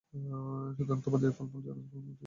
সুতরাং তোমাদের এ ফল-মূল জান্নাতের ফল-মূল থেকেই এসেছে।